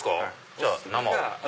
じゃあ生を。